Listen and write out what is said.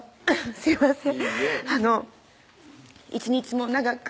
すいません